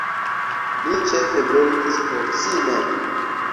Li ĉefe verkis por si mem.